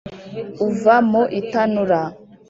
uva mu itanura